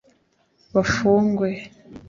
bafungwe